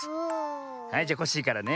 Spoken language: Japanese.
はいじゃコッシーからね。